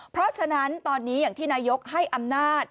เพราะฉะนั้นตอนนี้อย่างที่นายกให้อำนาจ